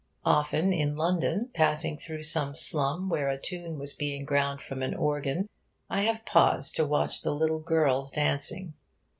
Often, in London, passing through some slum where a tune was being ground from an organ, I have paused to watch the little girls dancing.